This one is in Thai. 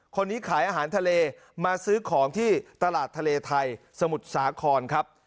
คนนี้ขายอาหารทะเลมาซื้อของที่ตลาดทะเลไทยสมุทรสาครครับ